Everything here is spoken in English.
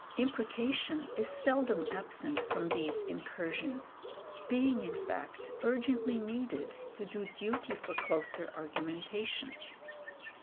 Imprecation is seldom absent from these incursions, being, in fact, urgently needed to do duty for closer argumentation.